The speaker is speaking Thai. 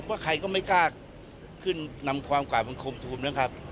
ว่าใครก็ไม่กล้าขึ้นนำความกล่าบังคมทูมนะครับ